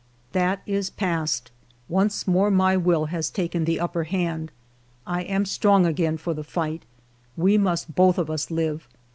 " That is past ; once more my will has taken ALFRED DREYFUS 87 the upper hand ; I am strong again for the fight. We must both of us live.